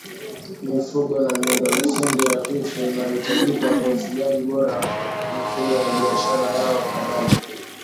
mifugo na miundomsingi hafifu inayohitajika kwa ufugaji bora wa mifugo na biashara yao Kadhalika